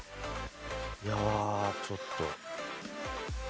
いやちょっと。